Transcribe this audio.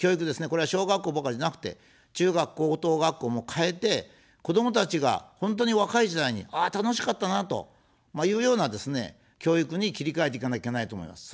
これは小学校ばかりじゃなくて、中学、高等学校も変えて、子どもたちが本当に若い時代に、ああ楽しかったなというようなですね、教育に切り替えていかなきゃいけないと思います。